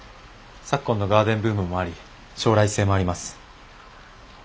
昨今のガーデンブームもあり将来性もあります。